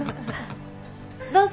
どうぞ。